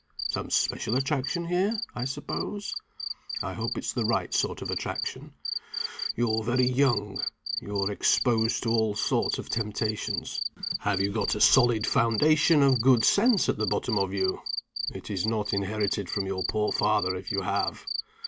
Some special attraction here, I suppose? I hope it's the right sort of attraction. You're very young you're exposed to all sorts of temptations. Have you got a solid foundation of good sense at the bottom of you? It is not inherited from your poor father, if you have.